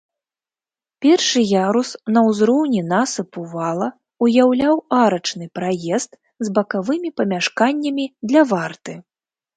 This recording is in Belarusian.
Першы ярус, на ўзроўні насыпу вала, уяўляў арачны праезд з бакавымі памяшканнямі для варты.